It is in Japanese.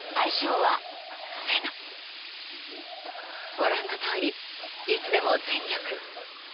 ［ご覧のとおりいつでも全力］